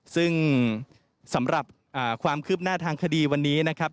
ซึ่งสำหรับความคืบหน้าทางคดีวันนี้นะครับ